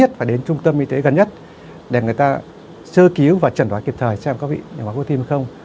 chúng ta phải đến trung tâm y tế gần nhất để người ta sơ cứu và chẩn đoán kịp thời xem có bị nhồi máu cơ tim không